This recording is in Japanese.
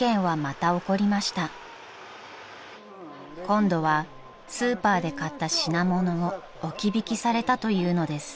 ［今度はスーパーで買った品物を置引されたというのです］